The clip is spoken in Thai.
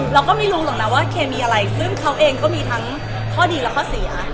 เราก็ไม่รู้หรอกนะว่าเคมีอะไรซึ่งเขาเองก็มีทั้งข้อดีและข้อเสีย